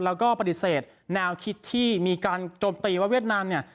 แล้วก็ปฏิเสธแนวคิดที่มีการโจมตีว่าเวียดนามเนี่ย